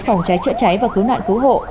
phòng cháy chữa cháy và cứu nạn cứu hộ